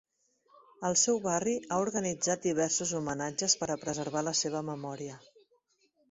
El seu barri ha organitzat diversos homenatges per a preservar la seva memòria.